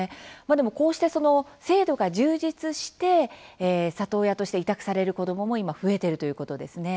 でもこうして制度が充実して里親として委託される子どもも今増えてるということですね。